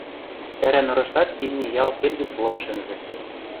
цӓрӓ нырыштат имни ял келгӹц лым шӹнзӹ.